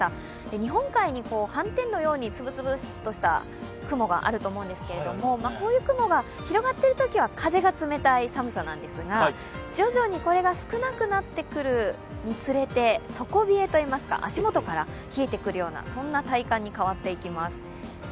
日本海に斑点のように粒々とした雲がありますがこういう雲が広がっているときは風が冷たい寒さなんですが、徐々にこれが少なくなってくるにつれて底冷え、足元から冷えてくるような体感に変わっていきます。